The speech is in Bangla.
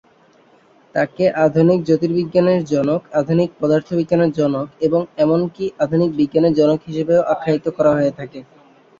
তাঁকে আধুনিক জ্যোতির্বিজ্ঞানের জনক, আধুনিক পদার্থবিজ্ঞানের জনক এবং এমনকি আধুনিক বিজ্ঞানের জনক হিসেবেও আখ্যায়িত করা হয়ে থাকে।